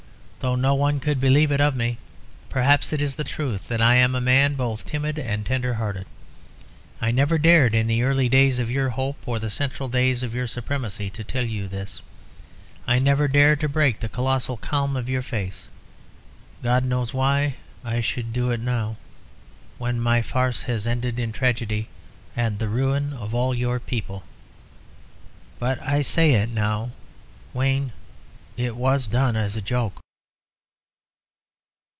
Though no one could believe it of me, perhaps, it is the truth that I am a man both timid and tender hearted. I never dared in the early days of your hope, or the central days of your supremacy, to tell you this; I never dared to break the colossal calm of your face. God knows why I should do it now, when my farce has ended in tragedy and the ruin of all your people! But I say it now. Wayne, it was done as a joke."